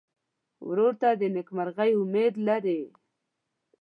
ورور ته د نېکمرغۍ امید لرې.